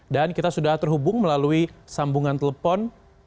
dan kita sudah terhubung melalui sambungan telepon